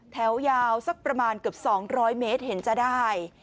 แถวยาวสักประมาณเกือบ๒๐๐เมตรเห็นจะได้